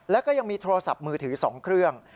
แล้วก็ยังมีโทรศัพท์มือถือ๒เครื่อง